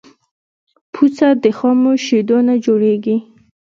پوڅه د خامو شیدونه جوړیږی.